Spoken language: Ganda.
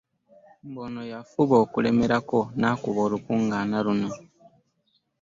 Mbu ono yafuba okulemerako n'akuba Olukuŋŋaana luno